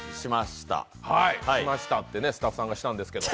「しました」ってスタッフさんがしたんですけど。